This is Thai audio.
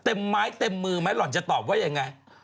เต็มไม้เต็มมือไหมหล่อนจะตอบว่าอย่างไร